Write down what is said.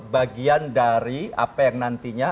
bagian dari apa yang nantinya